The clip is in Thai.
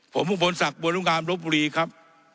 ผมภูมิผลศักดิ์บริงามรบบุรีครับ